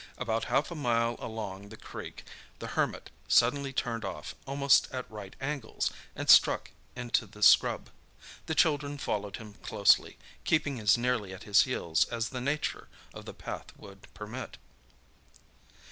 About half a mile along the creek the Hermit suddenly turned off almost at right angles, and struck into the scrub. The children followed him closely, keeping as nearly at his heels as the nature of the path would permit.